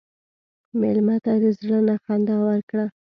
مېلمه ته د زړه نه خندا ورکړه.